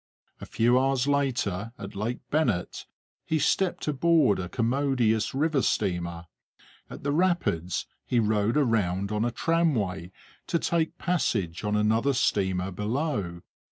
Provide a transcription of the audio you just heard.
A few hours later, at Lake Bennet, he stepped aboard a commodious river steamer. At the rapids he rode around on a tramway to take passage on another steamer below.